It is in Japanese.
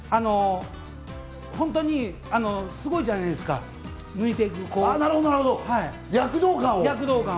本当にすごいじゃないですか、抜いていくのが。